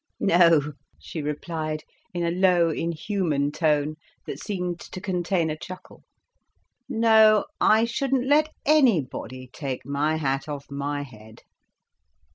"No," she replied, in a low inhuman tone, that seemed to contain a chuckle. "No, I shouldn't let anybody take my hat off my head."